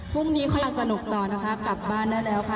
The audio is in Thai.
พรุ่งนี้ค่อยสนุกต่อนะคะกลับบ้านได้แล้วค่ะ